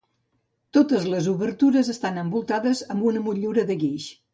Totes les obertures estan envoltades amb una motllura de guix.